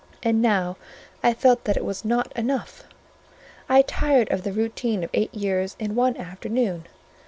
And now I felt that it was not enough; I tired of the routine of eight years in one afternoon.